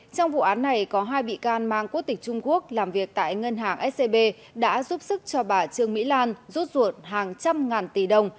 trong vụ án này có hai bị can mang quốc tịch trung quốc làm việc tại ngân hàng scb đã giúp sức cho bà trương mỹ lan rút ruột hàng trăm ngàn tỷ đồng